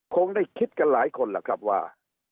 คงได้คิดกันหลายคนล่ะครับว่า